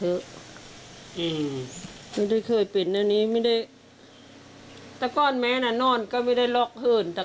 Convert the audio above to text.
เออบ้านนี้จะไปสักน้อยก็หาล่ะ